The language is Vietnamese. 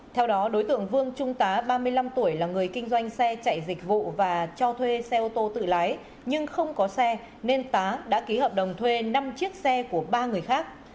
theo đó đối tượng vương trung tá ba mươi năm tuổi là người kinh doanh xe chạy dịch vụ và cho thuê xe ô tô tự lái nhưng không có xe nên tá đã ký hợp đồng thuê năm chiếc xe của ba người khác